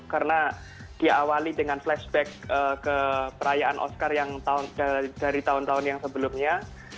karena diawali dengan flashback ke perayaan oscar yang dari tahun tahun yang sebelumnya